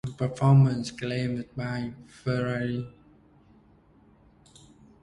Performance claimed by Ferrari.